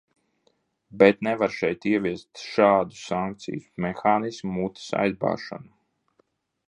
Bet nevar šeit ieviest šādu sankciju mehānismu, mutes aizbāšanu.